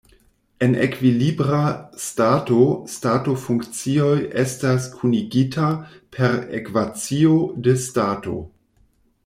En ekvilibra stato stato-funkcioj estas kunigita per ekvacio de stato.